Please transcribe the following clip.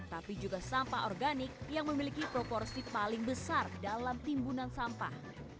tapi juga sampah organik yang memiliki proporsi paling besar dalam timbunan sampah